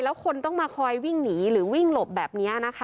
แล้วคนต้องมาคอยวิ่งหนีหรือวิ่งหลบแบบนี้นะคะ